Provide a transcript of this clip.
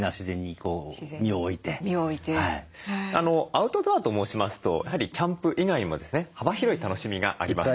アウトドアと申しますとやはりキャンプ以外にもですね幅広い楽しみがあります。